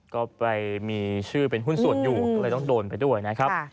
ก็ไปมีชื่อเป็นหุ้นส่วนอยู่ก็เลยต้องโดนไปด้วยนะครับ